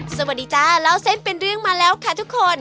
สวัสดีจ้าเล่าเส้นเป็นเรื่องมาแล้วค่ะทุกคน